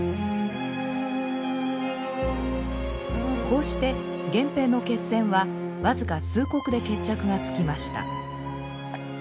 こうして源平の決戦は僅か数刻で決着がつきました。